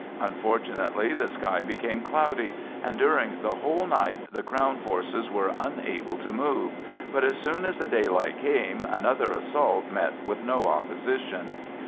Unfortunately the sky became cloudy, and during the whole night the Crown forces were unable to move; but as soon as the daylight came another assault met with no opposition.